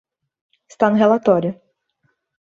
Está no relatório.